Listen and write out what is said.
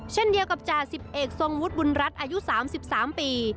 เช่นเดียวกับจ่าสิบเอกทรงวุฒิบุญรัฐอายุ๓๓ปี